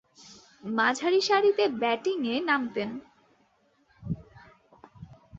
মাঝারিসারিতে ব্যাটিংয়ে নামতেন।